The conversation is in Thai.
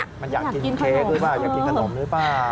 มันอยากกินเค้กหรือเปล่าอยากกินขนมหรือเปล่า